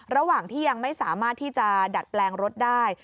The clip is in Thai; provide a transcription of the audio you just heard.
ระหว่างที่ยังไม่สามารถที่จะดัดแปลงรถได้